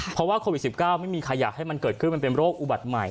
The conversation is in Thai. เพราะว่าโควิด๑๙ไม่มีใครอยากให้มันเกิดขึ้นมันเป็นโรคอุบัติใหม่